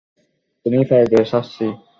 তুমি পারবে, সার্সি।